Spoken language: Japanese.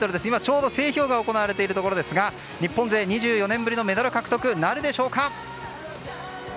今ちょうど整氷が行われているところですが日本勢２４年ぶりのメダル獲得なるでしょうか。